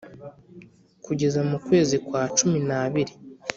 kugeza mukwezi kwa cuminabiri